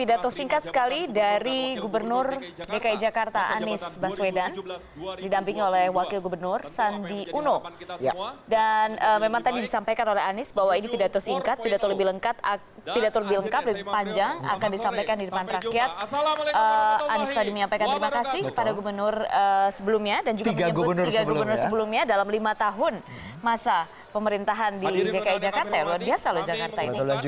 assalamualaikum warahmatullahi wabarakatuh